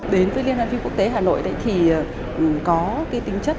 đến với liên hoan phim quốc tế hà nội thì có cái tính chất